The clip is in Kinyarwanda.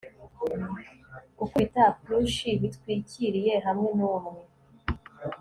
gukubita plush-bitwikiriye hamwe numwe